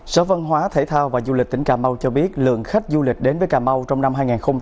sở văn hóa thể thao và du lịch tỉnh cà mau cho biết lượng khách du lịch đến với cà mau trong năm hai nghìn hai mươi ba